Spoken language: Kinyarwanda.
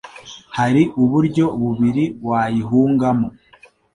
hari uburyo bubiri wayihungamo